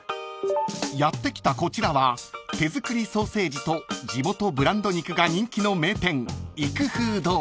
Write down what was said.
［やって来たこちらは手作りソーセージと地元ブランド肉が人気の名店］